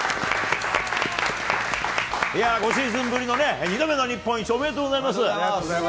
５シーズンぶりの２度目の日本一、ありがとうございます。